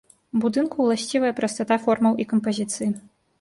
Будынку ўласцівая прастата формаў і кампазіцыі.